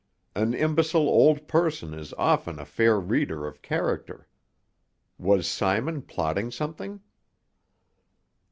An imbecile old person is often a fair reader of character. Was Simon plotting something?